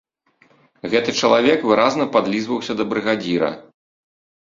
Гэты чалавек выразна падлізваўся да брыгадзіра.